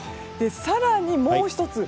更に、もう１つ。